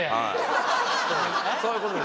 そういうことです。